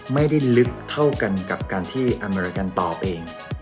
ไม่ได้ลึกเท่ากันกับการที่อเมริกันตอบเอง